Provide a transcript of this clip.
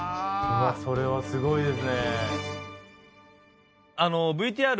うわっそれはすごいですね。